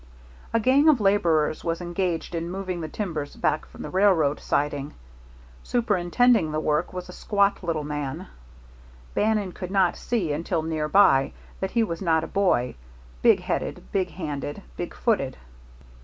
A gang of laborers was engaged in moving the timbers back from the railroad siding. Superintending the work was a squat little man Bannon could not see until near by that he was not a boy big headed, big handed, big footed.